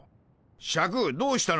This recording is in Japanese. シャクどうしたのじゃ。